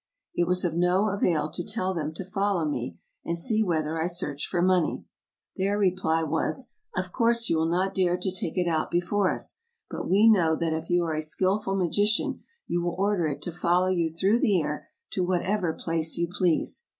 It was of no avail to tell them to follow me, and see whether I searched for money. Their reply was, "Of course you will not dare to take it out before us, but we know that if you are a skillful magician you will order it to follow you through the air to whatever place you please."